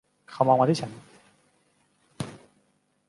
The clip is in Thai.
เขามองมาที่ฉัน